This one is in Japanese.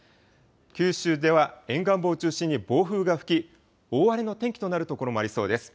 九州では、沿岸部を中心に暴風が吹き、大荒れの天気となる所もありそうです。